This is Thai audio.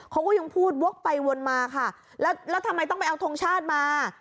เขาก็ยังพูดวกไปวนมาค่ะแล้วแล้วทำไมต้องไปเอาทงชาติมา